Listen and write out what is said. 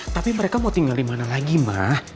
tapi mereka mau tinggal di mana lagi mbah